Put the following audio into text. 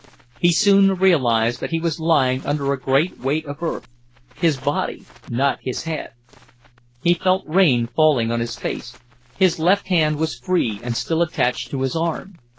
He soon realized that he was lying under a great weight of earth; his body, not his head. He felt rain falling on his face. His left hand was free, and still attached to his arm.